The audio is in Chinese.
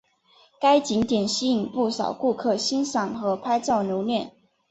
该景点吸引不少顾客欣赏和拍照留念。